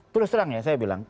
terus terang ya saya bilang